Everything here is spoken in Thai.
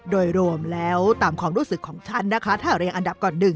โดยรวมแล้วตามความรู้สึกของฉันนะคะถ้าเรียงอันดับก่อน๑